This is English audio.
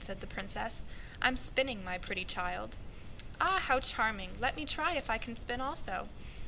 said the Princess. "I'm spinning my pretty child." "Ah, how pretty! Let me try if I can spin also."